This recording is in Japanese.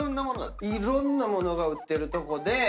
いろんな物が売ってるとこで。